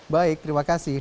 baik terima kasih